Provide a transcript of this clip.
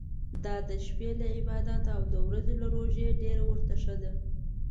دا د شپې له عبادته او د ورځي له روژې ډېر ورته ښه ده.